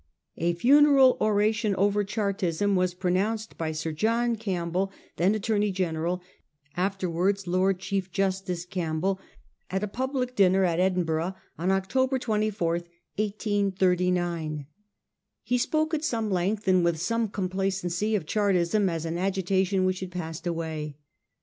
A funeral oration over Chartism was pronounced by Sir John Campbell, then Attorney General, after wards Lord Chief Justice Campbell, at a public dinner 1839. A PREMATURE FUNERAL ORATION. 105 at Edinburgh, on October 24, 1839. He spoke at some length and with much complacency of Chartism as an agitation which had passed away.